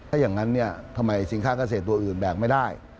ถ้าอย่างนั้นทำไมสินค้ากระเศษตัวอื่นแบกไม่ได้